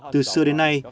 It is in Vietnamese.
từ xưa đến nay